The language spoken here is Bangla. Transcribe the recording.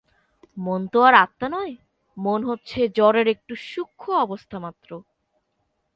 মন তো আর আত্মা নয়, মন হচ্ছে জড়ের একটু সূক্ষ্ম অবস্থামাত্র।